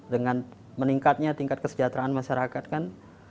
dengan meningkatnya tingkat kesejahteraan masyarakat kan